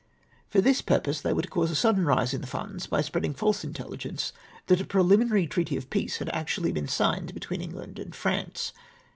"For this purpose they were to cause a sudden rise in the funds, by spreading false intelligence that a preliminary treaty of peace had actually been signed between England and France.